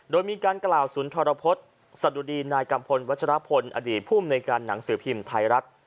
โดยมีการกล่าวศูนย์ทรพฤษสะดุดีนายกัมพลวัชรพลอดีตภูมิในการหนังสือพิมพ์ไทยรัฐ